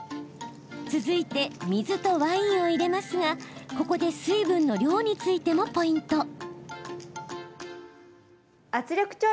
続いて、水とワインを入れますがここで水分の量についてもポイント。